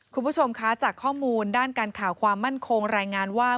คุณผู้ชมคะจากข้อมูลด้านการข่าวความมั่นคงรายงานว่า